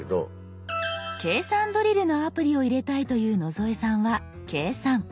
計算ドリルのアプリを入れたいという野添さんは「計算」。